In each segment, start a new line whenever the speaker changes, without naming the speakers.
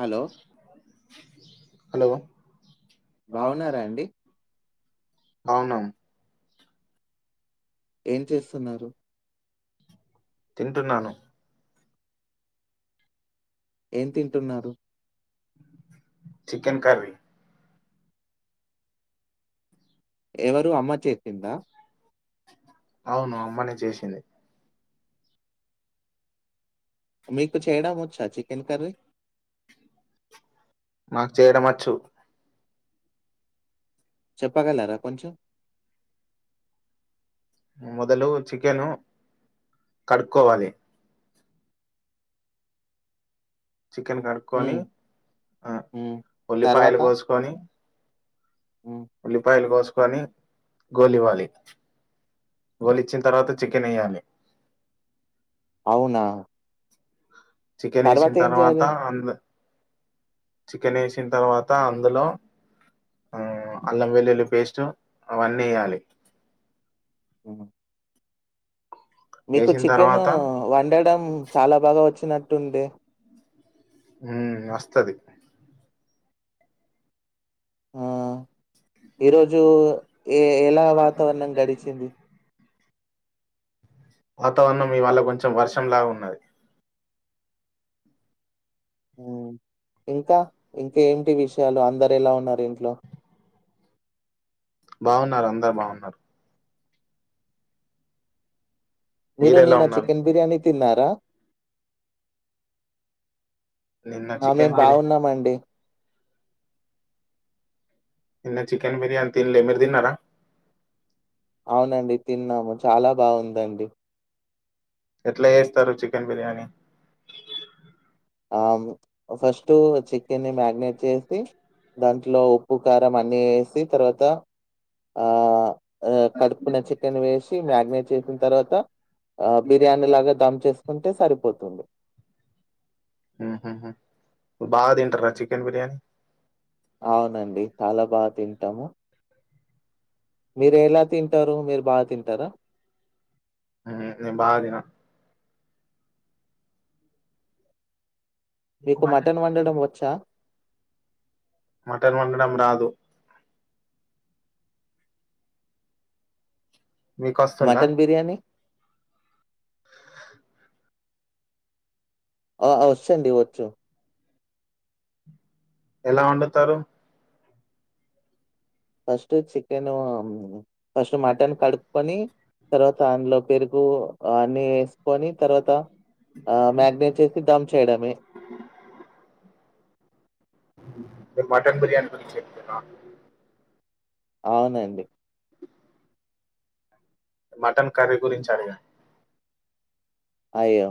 Hello
hello
బావున్నారా అండి
అవునా
ఏం చేస్తున్నారు
తింటున్నాను
ఏం తింటున్నారు
చికెన్ కర్రీ
ఏవరు అమ్మ చేపిందా
అవును అమ్మనే చేసింది
మీకు చేయడం వచ్చా చికెన్ కర్రీ
మాకు చేయడం వచ్చు
చెప్పగలరా కొంచెం
మొదలు చికెను కడుక్కోవాలి చికెన్ కడుక్కక్కొని
హ్మ్. హ్మ్. తర్వాత?
ఉల్లిపాయలు కోసుకొని
హ్మ్.
కని గోలివ్వాలి గోలిచ్చిన తర్వాత చికెన్ ఏయాలి
అవునా
చికెన్ వేసిన
ఏం
తర్వాత
చేయాలి?
అ చికెన్ వేసిన తర్వాత అందులో అల్లం వెల్లుల్లి పేస్ట్ అవన్నీ వేయాలి
ఆహా మీకు
వేసిన
చికెన్
తర్వాత
వండడం చాలా బాగా వచ్చినట్టుందే
మీ వస్తది
హ్మ్మ్ ఈరోజు ఏ ఎలా వాతావరణం గడిచింది
వాతావరణం ఇవాల కొంచెం వర్షంలాగా ఉన్నది
హ్మ్మ్ ఇంకా ఇంకా ఏంటి విషయాలు అందరు ఎలా ఉన్నారు ఇంట్లో
బాగున్నారు అందరు బాగున్నారు
మీరు
మీరెలా
నిన్న
ఉన్నారు
చికెన్ బిర్యానీ తిన్నారా
నిన్న
ఆ మేం
చికెన్ బిర్యానీ
బాగున్నామండి
నిన్న చికెన్ బిర్యానీ తిన్లే మీరు తిన్నరా
అవునండి తిన్నాము చాలా బాగుందండి
ఎట్ల ఏస్తరు చికెన్ బిర్యానీ
ఆ ఫస్ట్ చికెన్ని మ్యాగ్నేట్ చేసి దాంట్లో ఉప్పు కారం అన్నీ వేసి తర్వాత ఆ ఆ కడుక్కున్న చికెన్ వేసి మ్యాగ్నేట్ చేసిన తర్వాత ఆ బిర్యానీ లాగా దమ్ చేసుకుంటే సరిపోతుంది
హుహుహు బాగదింటర చికెన్ బిర్యానీ
అవునండి చాలా బాగా తింటాము మీరు ఎలా తింటారు మీరు బాగా తింటారా
మ్ నేను బాగాదిన
మీకు మటన్ వండడం వచ్చా
మటన్ వండడం రాదు మీకు వస్తుందా
మటన్ బిర్యానీ
అ [inaudible]
ఆ వచ్చండి వచ్చు
ఎలా వండుతారు
ఫస్ట్ చికెన్ ఫస్ట్ మటన్ కనుక్కొని తర్వాత అందులో పెరుగు అన్ని వేసుకొని తర్వాత ఆ మాగ్నేట్ చేసి దమ్ చేయడమే
మటన్ బిర్యాని గురించి చెప్పుతున్నవా
అవునండి
మటన్ కర్రీ గురించి అడిగా
అయ్యో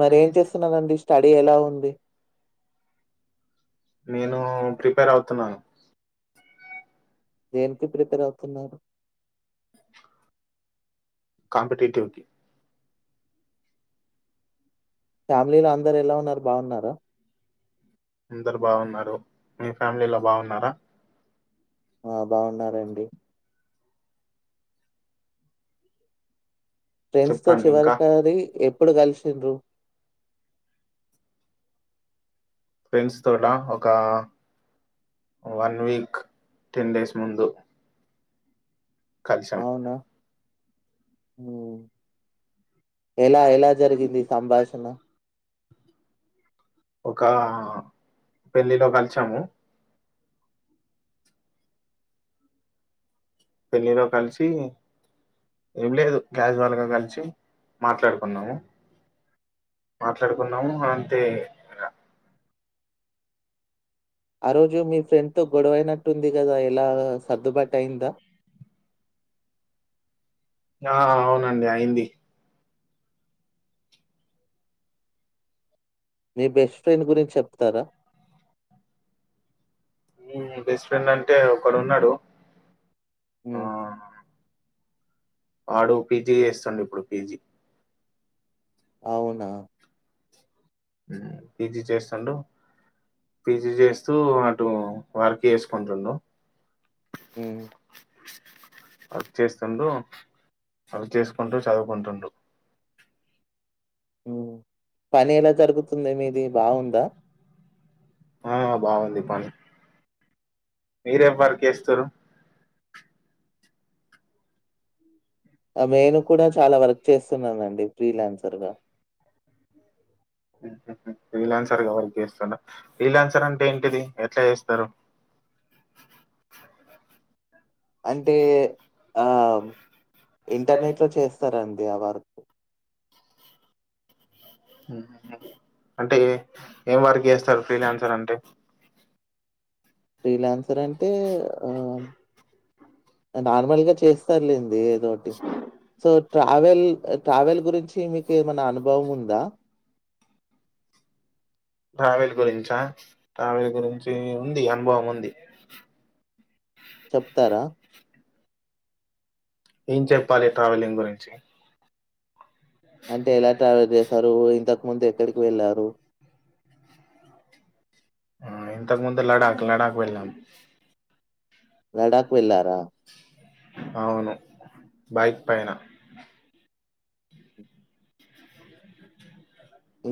మరి ఏం చేస్తున్నారండి స్టడీ ఎలా ఉంది
నేను ప్రిపేర్ అవుతున్నాను
దేనికి ప్రిపేర్ అవుతున్నారు
కాంపిటీటీవ్ కీ
ఫ్యామిలీలో అందరు ఎలా ఉన్నారు బాగున్నారు అ [inaudible]
అందరు బాగున్నారు మీ ఫ్యామిలీలో బాగున్నారా
ఆ బాగున్నారండి ఫ్రెండ్స్ తో
చెప్పండి ఇంకా
చివరికారి ఎప్పుడు కలిసిండ్రు
ఫ్రెండ్స్ తోటా ఒక వన్ వీక్ టెన్ డేస్ ముందు కలిశాం
మ్ యెలా యెలా జరిగింది సంభాషణ
ఒక పెళ్ళిలో కలిచాము పెళ్ళిలో కలిసి ఏం లేదు క్యాచువల్గా కలిసి మాట్లాడుకున్నాము మాట్లాడుకున్నాము అంతే
ఆ రోజు మీ ఫ్రెండ్ తో గొడవైనట్టు ఉంది కదా ఇలా సర్దుబాటు అయ్యిందా
ఆ అవునండి అయింది
మీ బెస్ట్ ఫ్రెండ్ గురించి చెప్తారా
బెస్ట్ ఫ్రెండ్ అంటే ఒకడు ఉన్నాడు
ఉం
వాడు పీజీ చేస్తండు ఇప్పుడు పీజీ
అవునా
పీజీ చేస్తుండు పీజీ చేస్తూ అటు వర్క్ చేసుకుంటుండు
హ్మ్.
వర్క్ చేస్తుండు అవి చేసుకుంటూ చదువుకుంటుండు
ఉం పని ఎలా జరుగుతుంది మీది బాగుందా
ఆ బాగుంది పనీ మీరేం వర్క్ చేస్తరు
మేను కూడా చాలా వర్క్ చేస్తున్నానండి ఫ్రీ లాన్సర్ గా
ఫ్రీలాన్సర్ గా వర్క్ చేస్తున్నారు ఫీలాన్సర్ అంటే ఏంటిది ఎట్లా చేస్తారు
అంటే ఆ ఇంటర్నెట్ లో చేస్తారండి ఆ వర్
అంటే ఎ ఏం వర్క్ చేస్తారు ఫ్రీలాన్సర్ అంటే
ఫ్రీ లాన్సర్ అంటే ఆ నార్మల్గా చేస్తర్లేండి ఏదోటి సో ట్రావెల్ ట్రావెల్ గురించి మీకు ఏమైనా అనుభవం ఉందా
ట్రావెల్ గురించా ట్రావెల్ గురించి ఉంది అనుభవం ఉంది
చెప్తారా
ఏం చెప్పాలి ట్రావెలింగ్ గురించి
అంటే ఎలా ట్రావెల్ చేసారు ఇంతకు ముందు ఎక్కడికి వెళ్ళారు రూ
ఆ ఇంతకు ముందు లడాక్ లడాక్ వెళ్ళాం
లడాక్ వెళ్ళారా
అవును బైక్ పైన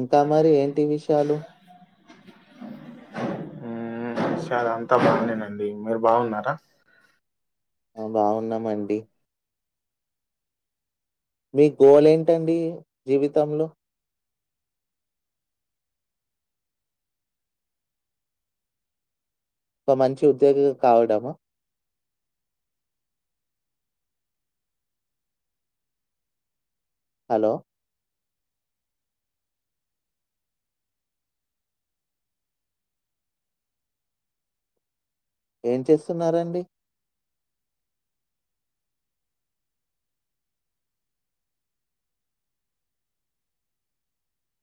ఇంకా మరి ఏంటి విషయాలు?
ఊమ్ సరే అంతా బాగనేనండి మీరు బాగున్నారా
ఆ బాగున్నామండి మీ గోల్ ఏంటండి జీవితంలో ఒక మంచి ఉద్యోగి కావడమా హలో ఏం చేస్తున్నారండి